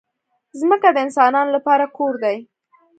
ځمکه د انسانانو لپاره کور دی.